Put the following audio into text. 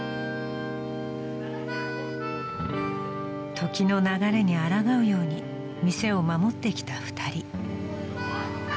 ［時の流れにあらがうように店を守ってきた２人］